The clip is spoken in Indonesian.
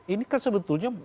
ini kan sebetulnya